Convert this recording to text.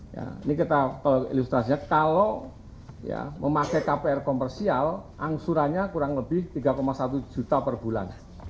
ini kita ilustrasinya kalau memakai kpr komersial angsurannya kurang lebih tiga satu juta per bulan